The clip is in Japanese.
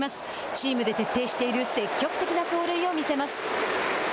チームで徹底している積極的な走塁を見せます。